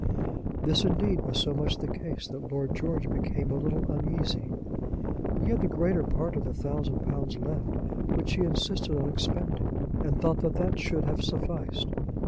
This, indeed, was so much the case that Lord George became a little uneasy. He had the greater part of the thousand pounds left, which he insisted on expending, and thought that that should have sufficed.